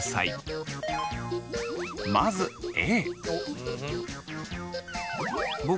まずＡ。